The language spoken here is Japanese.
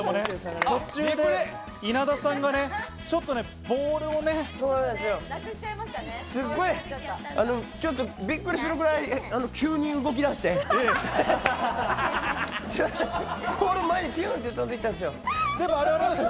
途中で稲田さんがね、ボールをね。ちょっとびっくりするくらい急に動き出して、ボールが前にピュンと飛んでいったんですよ。